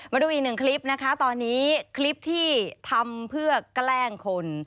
มาดูอีกหนึ่งคลิปนะคะตอนนี้คลิปที่ทำเพื่อแกล้งคน